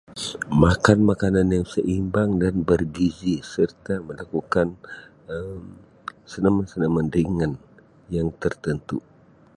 Makan makanan yang seimbang dan bergizi serta melakukan Um senaman- senaman ringan yang tertentu.